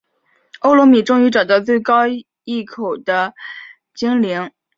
欧罗米终于找到最高隘口精灵。